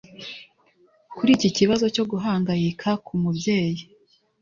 Kuri iki kibazo cyo guhangayika k’umubyeyi